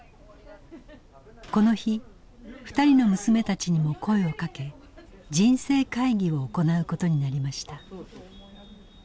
この日２人の娘たちにも声をかけ人生会議を行うことになりました。